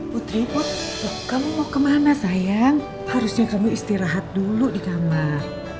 putri pot kamu mau kemana saya harusnya kamu istirahat dulu di kamar